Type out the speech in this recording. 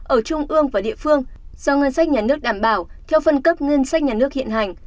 ở trung ương và địa phương do ngân sách nhà nước đảm bảo theo phân cấp ngân sách nhà nước hiện hành